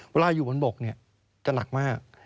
เวลาอยู่บนบกจะหนักมาก